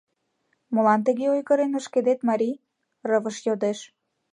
— Молан тыге ойгырен ошкедет, марий? — рывыж йодеш.